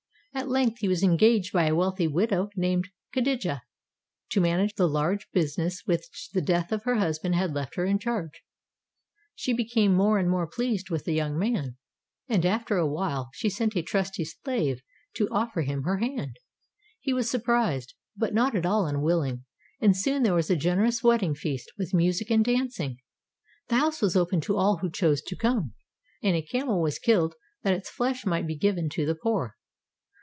At length he was engaged by a wealthy widow named Kadijah to manage the large business which the death of her husband had left in her charge. She became more and more pleased with the young man, and after a while she sent a trusty slave to ojffer him her hand. He was surprised, but not at all unwilling, and soon there was a generous wedding feast with music and dancing. The house was open to all who chose to come, and a camel was killed that its flesh might be given to the poor.